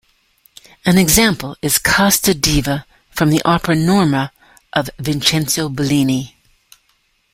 An example is "Casta diva" from the opera "Norma" of Vincenzo Bellini.